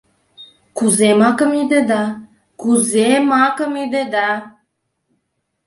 Кузе макым ӱдеда, кузе макым ӱдеда?